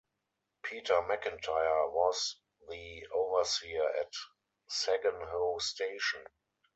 Peter Macintyre was the overseer at Segenhoe Station.